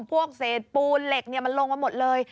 พวกเศษปูนเหล็กมันลงมาหมดเลย